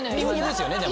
でも。